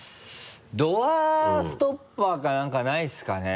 ドアストッパーか何かないですかね？